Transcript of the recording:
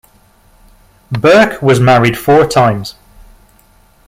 Burke was married four times.